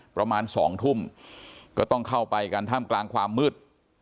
ประมาณ๒ทุ่มก็ต้องเข้าไปกันท่ามกลางความมืด